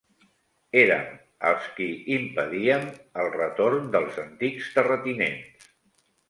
Érem els qui impedíem el retorn dels antics terratinents